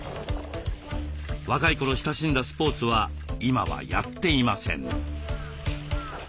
若い頃親しんだスポーツは今はやっていません。